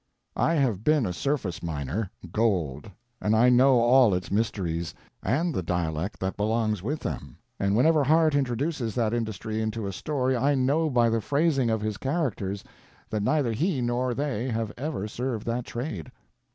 I have been a surface miner—gold—and I know all its mysteries, and the dialect that belongs with them; and whenever Harte introduces that industry into a story I know by the phrasing of his characters that neither he nor they have ever served that trade.